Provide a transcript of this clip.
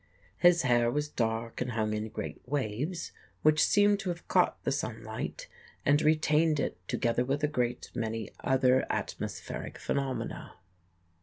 His hair was dark and hung in great waves which seemed to have caught the sunlight and retained it together with a great many other atmospheric phenomena.